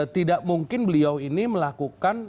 tidak mungkin beliau ini melakukan